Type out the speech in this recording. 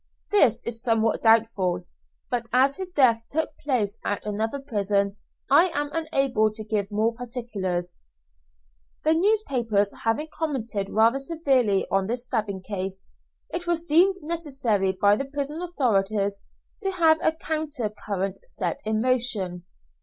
This is somewhat doubtful, but as his death took place at another prison I am unable to give more particulars. The newspapers having commented rather severely on this stabbing case, it was deemed necessary by the prison authorities to have a counter current set in motion.